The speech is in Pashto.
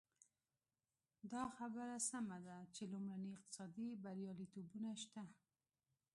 دا خبره سمه ده چې لومړني اقتصادي بریالیتوبونه شته.